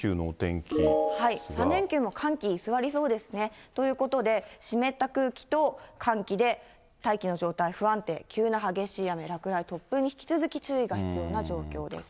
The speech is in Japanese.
３連休も、寒気、居座りそうですね。ということで、湿った空気と寒気で大気の状態不安定、急な激しい雨、落雷、突風に引き続き注意が必要な状況です。